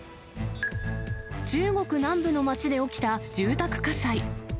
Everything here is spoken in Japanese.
中国南部の街で起きた住宅火災。